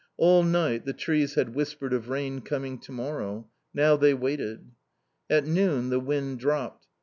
All night the trees had whispered of rain coming to morrow. Now they waited. At noon the wind dropped.